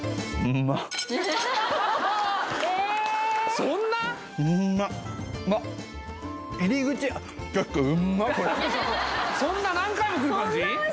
うんまっわっそんな何回も来る感じ？